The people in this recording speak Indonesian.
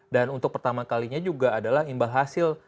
dan untuk pertama kalinya juga adalah imbal hasil